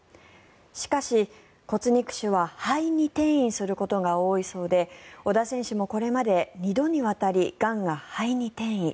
しかし、骨肉腫は肺に転移することが多いそうで小田選手もこれまで２度にわたりがんが肺に転移。